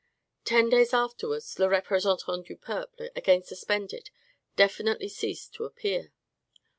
Ten days afterwards, "Le Representant du Peuple," again suspended, definitively ceased to appear.